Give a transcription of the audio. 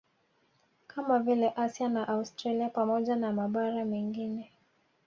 Kama vile Asia na Australia pamoja na mabara mengine